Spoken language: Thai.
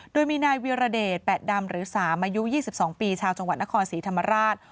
โดยมีนายวิรเดชแปดดำหรือสามอายุยี่สิบสองปีชาวจังหวัดนครศรีธรรมราช